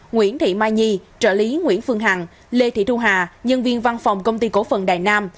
nguyễn thị mai nhi trợ lý nguyễn phương hằng lê thị thu hà nhân viên văn phòng công ty cổ phần đài nam